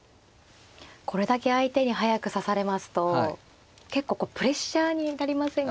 これだけ相手に速く指されますと結構こうプレッシャーになりませんか？